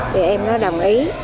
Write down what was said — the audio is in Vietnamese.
thì em đó đồng ý